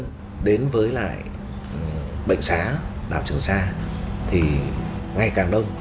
cái tỷ lệ số lượng ngư dân đến với lại bệnh xá đảo trường sa thì ngay càng đông